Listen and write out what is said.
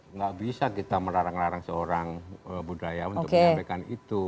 enggak bisa kita merarang rarang seorang budaya untuk menyampaikan itu